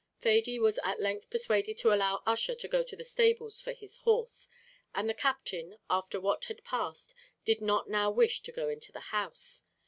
Thady was at length persuaded to allow Ussher to go to the stables for his horse, and the Captain, after what had passed, did not now wish to go into the house.